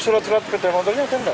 dua surat surat kedai motornya ada nggak